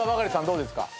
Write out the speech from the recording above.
どうですか？